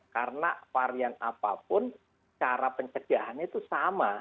karena varian apapun cara pencerjahannya itu sama